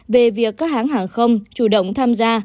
về việc các hãng hàng không chủ động tham gia